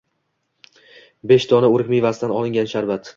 Besh dona o'rik mevasidan olingan sharbat.